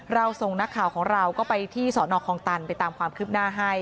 ส่งนักข่าวของเราก็ไปที่สอนอคลองตันไปตามความคืบหน้าให้